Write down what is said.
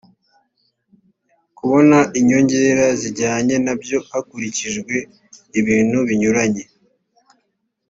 kubona inyongera zijyanye na byo hakurikijwe ibintu binyuranye